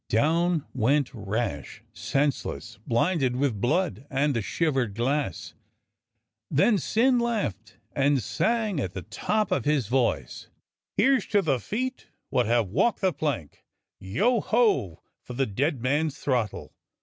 Down went Rash, senseless, blinded with blood and the shivered glass. Then Syn laughed, and sang at the top of his v^oice : ''Here's to the feet wot have walked the plank, Yo hoi for the dead man's throttle.